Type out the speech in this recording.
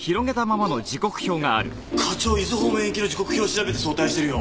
課長伊豆方面行きの時刻表調べて早退してるよ。